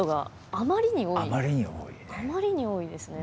あまりに多いですね。